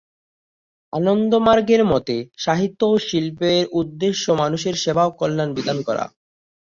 আনন্দমার্গের মতে, সাহিত্য ও শিল্পের উদ্দেশ্য মানুষের সেবা ও কল্যাণ বিধান করা।